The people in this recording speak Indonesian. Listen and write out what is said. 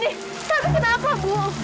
tapi kenapa bu